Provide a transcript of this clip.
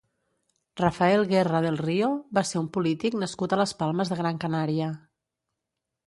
Rafael Guerra del Río va ser un polític nascut a Las Palmas de Gran Canaria.